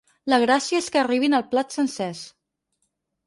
La gràcia és que arribin al plat sencers.